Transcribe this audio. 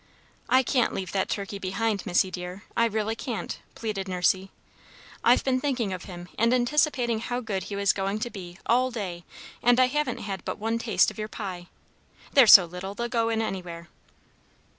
"I can't leave that turkey behind, Missy, dear I really can't!" pleaded Nursey. "I've been thinking of him, and anticipating how good he was going to be, all day; and I haven't had but one taste of your pie. They're so little, they'll go in anywhere."